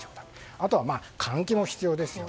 あとは換気も必要です。